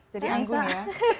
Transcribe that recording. jadi anggun ya